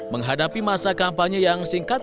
menghadapi masa kampanye yang singkat